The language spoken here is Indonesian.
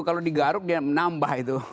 kalau digaruk dia menambah